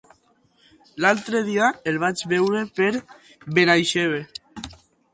L'altre dia el vaig veure per Benaixeve.